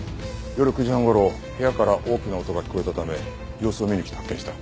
夜９時半頃部屋から大きな音が聞こえたため様子を見に来て発見した。